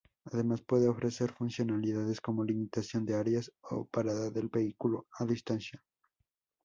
Además puede ofrecer funcionalidades como limitación de áreas o parada del vehículo a distancia.